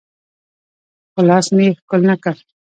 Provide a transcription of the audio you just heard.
خو لاس مې يې ښکل نه کړ.